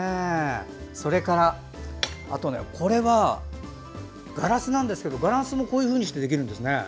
それから、これはガラスですがガラスもこういうふうにできるんですね。